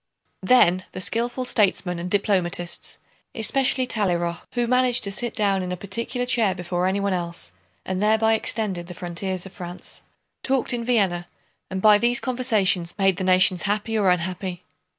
Then the skillful statesmen and diplomatists (especially Talleyrand, who managed to sit down in a particular chair before anyone else and thereby extended the frontiers of France) talked in Vienna and by these conversations made the nations happy or unhappy.